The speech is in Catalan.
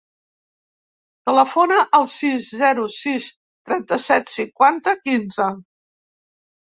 Telefona al sis, zero, sis, trenta-set, cinquanta, quinze.